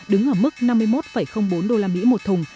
đứng ở mức năm mươi một bốn đô la mỹ một thùng